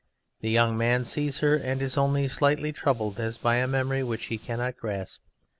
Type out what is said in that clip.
The young man sees her, and is only slightly troubled as by a memory which he cannot grasp.